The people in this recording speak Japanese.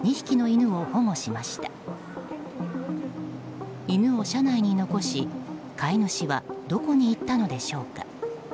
犬を車内に残し、飼い主はどこに行ったのでしょうか。